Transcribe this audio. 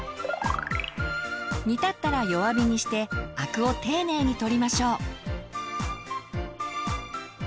煮立ったら弱火にしてあくを丁寧に取りましょう。